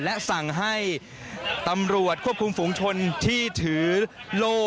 และสั่งให้ตำรวจควบคุมฝูงชนที่ถือโล่